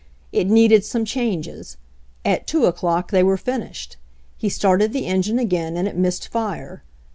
It needed some changes. At 2 o'clock they were finished. He started the engine again and it missed fire.